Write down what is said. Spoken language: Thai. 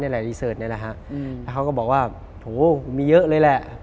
แล้วเค้าก็บอกว่าโหมีเยอะเลยแหละ